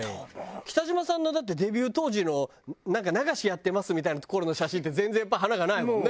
北島さんのだってデビュー当時のなんか流しやってますみたいな頃の写真って全然やっぱり華がないもんね。